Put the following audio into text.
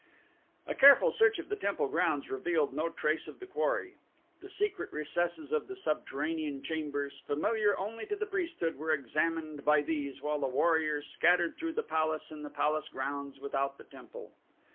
A careful search of the temple grounds revealed no trace of the quarry. The secret recesses of the subterranean chambers, familiar only to the priesthood, were examined by these while the warriors scattered through the palace and the palace grounds without the temple.